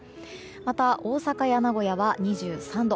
また大阪や名古屋は２３度。